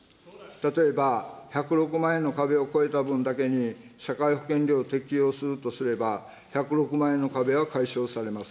例えば１０６万円の壁を超えた分だけに社会保険料を適用するとすれば、１０６万円の壁は解消されます。